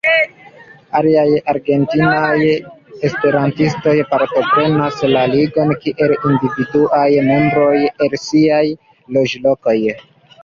Aliaj argentinaj esperantistoj partoprenas la Ligon kiel individuaj membroj, el siaj loĝlokoj.